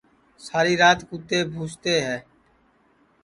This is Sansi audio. ساری رات کُتے بھوکتے ہے